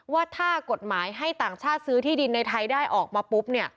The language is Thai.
ว่าถ้ากฎหมายให้ต่างชาติซื้อที่ดินในไทยได้ออกมาปุ๊บเนี่ย